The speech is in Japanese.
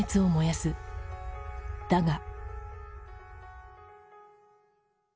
だが。